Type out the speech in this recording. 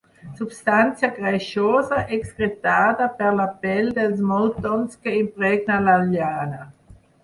Substància greixosa excretada per la pell dels moltons que impregna la llana.